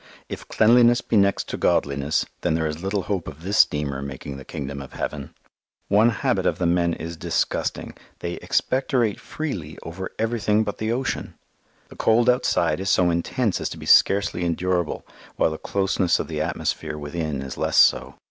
If cleanliness be next to godliness, then there is little hope of this steamer making the Kingdom of Heaven. One habit of the men is disgusting; they expectorate freely over everything but the ocean. The cold outside is so intense as to be scarcely endurable, while the closeness of the atmosphere within is less so.